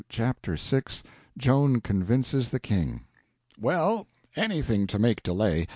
Chapter 6 Joan Convinces the King WELL, anything to make delay.